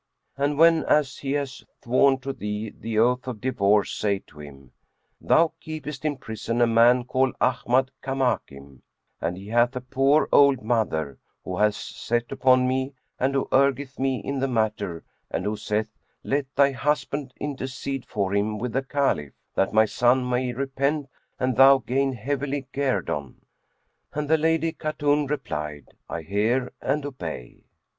And whenas he hath sworn to thee the oath of divorce, say to him, 'Thou keepest in prison a man called Ahmad Kamakim, and he hath a poor old mother, who hath set upon me and who urgeth me in the matter and who saith, 'Let thy husband intercede for him with the Caliph, that my son may repent and thou gain heavenly guerdon.'" And the Lady Khatun replied, "I hear and obey."